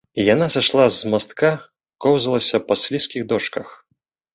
Яна сышла з мастка, коўзалася па слізкіх дошках.